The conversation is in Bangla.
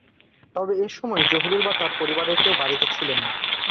তবে এ সময় জহুরুল বা তাঁর পরিবারের কেউ বাড়িতে ছিলেন না।